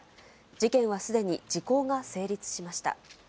事件はすでに時効が成立しました。